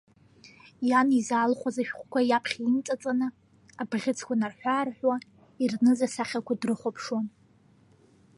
Иан изаалхәаз ашәҟәқәа иаԥхьа имҵаҵаны, абӷьыцқәа нарҳәы-аарҳәуа, ирныз асахьақәа дрыхәаԥшуан.